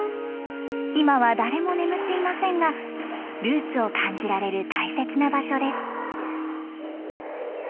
今は誰も眠っていませんがルーツを感じられる大切な場所です。